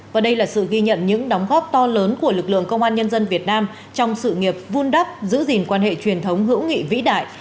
và đây là sự ghi nhận những đóng góp to lớn của lực lượng công an nhân dân việt nam trong sự nghiệp vun đắp giữ gìn quan hệ truyền thống hữu nghị vĩ đại